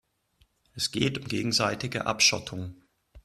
Es geht um gegenseitige Abschottung.